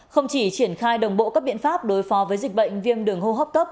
không chỉ triển khai đồng bộ các biện pháp đối phó với dịch bệnh viêm đường hô hấp cấp